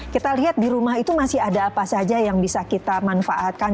kita lihat di rumah itu masih ada apa saja yang bisa kita manfaatkan